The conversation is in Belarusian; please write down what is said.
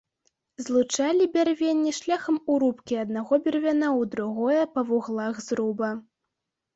Злучалі бярвенні шляхам урубкі аднаго бервяна ў другое па вуглах зруба.